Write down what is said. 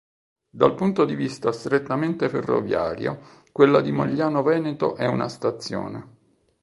Dal punto di vista strettamente ferroviario quella di Mogliano Veneto è una stazione.